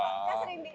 kan sering di